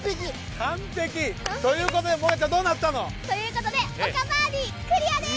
完璧。ということでもーかちゃんどうなったの。ということで岡バーディークリアです！